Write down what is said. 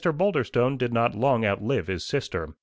Boulderstone did not long outlive his sister.